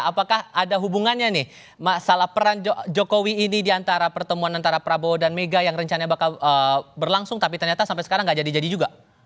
apakah ada hubungannya nih masalah peran jokowi ini diantara pertemuan antara prabowo dan mega yang rencana bakal berlangsung tapi ternyata sampai sekarang nggak jadi jadi juga